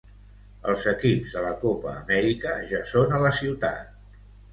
els equips de la copa Amèrica ja són a la ciutat